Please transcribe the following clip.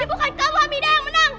ini bukan kamu hamidah yang menang